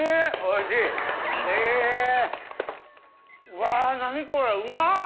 うわ何これうまっ！